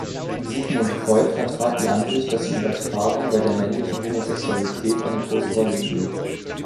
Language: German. Sigmund Freud vertrat die Ansicht, dass die Übertragung bei der männlichen Homosexualität eine große Rolle spielt.